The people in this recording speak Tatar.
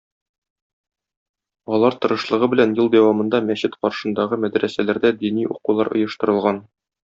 Алар тырышлыгы белән ел дәвамында мәчет каршындагы мәдрәсәләрдә дини укулар оештырылган.